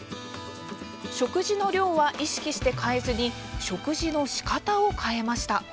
食事の量は意識して変えずに食事のしかたを変えました。